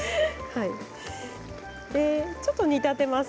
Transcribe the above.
ちょっと煮立てます。